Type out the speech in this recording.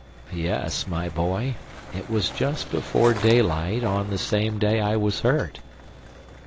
"Yes, my boy. It was just before daylight on the same day I was hurt.